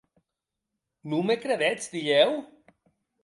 Non me credetz, dilhèu?